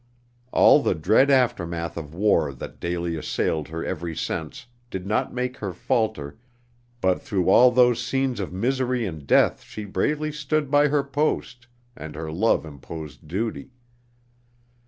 All the dread aftermath of war that daily assailed her every sense, did not make her falter, but through all those scenes of misery and death she bravely stood by her post and her love imposed duty.